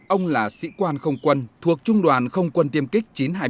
ông là sĩ quan không quân thuộc trung đoàn không quân tiêm kích chín trăm hai mươi năm